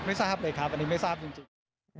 ไม่ทราบเลยครับอันนี้ไม่ทราบจริง